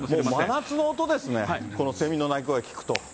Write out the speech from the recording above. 真夏の音ですね、このセミの鳴き声を聞くと。